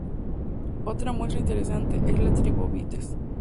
Otra muestra interesante es la de trilobites.